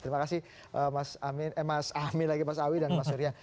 terima kasih mas amin eh mas amin lagi mas awi dan mas surya